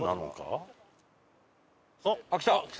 あっ来た！